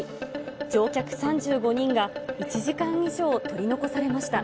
乗客３５人が１時間以上、取り残されました。